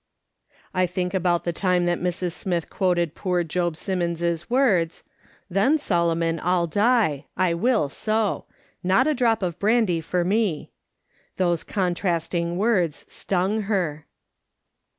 I think about the time that Mrs. Smith quoted poor Job Simmons' words :" Then, Solomon, I'll die ; I will, so ; not a drop of brandy for me !" those con trasting words stung her.